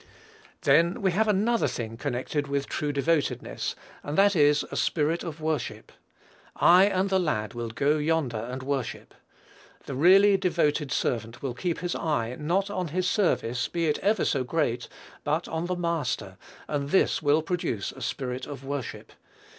Then, we have another thing connected with true devotedness, and that is a spirit of worship. "I and the lad will go yonder and worship." The really devoted servant will keep his eye, not on his service, be it ever so great, but on the Master, and this will produce a spirit of worship.